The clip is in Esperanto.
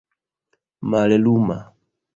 malluma